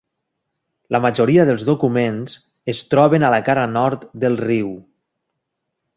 La majoria dels documents es troben a la cara nord del riu.